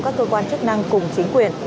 các cơ quan chức năng cùng chính quyền